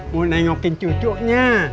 mau nengokin cucoknya